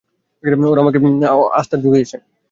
ওরা আমাকে আবার আস্থা জুগিয়েছে।